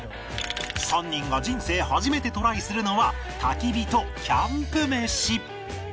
３人が人生初めてトライするのは焚き火とキャンプ飯